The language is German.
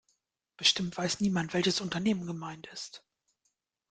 Bestimmt weiß niemand, welches Unternehmen gemeint ist.